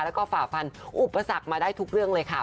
แล้วก็ฝ่าฟันอุปสรรคมาได้ทุกเรื่องเลยค่ะ